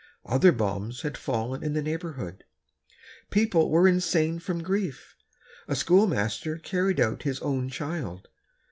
Other bombs had fallen in the neighborhood. People were insane from grief. A schoolmaster carried out his own child.